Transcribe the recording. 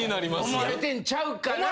思われてんちゃうかな。